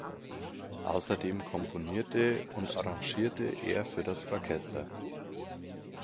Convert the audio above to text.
Außerdem komponierte und arrangierte er für das Orchester.